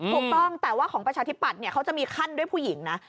ถูกต้องแต่ว่าของประชาธิปัตย์เขาจะมีขั้นด้วยผู้หญิงนะ